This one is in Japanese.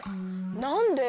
なんで？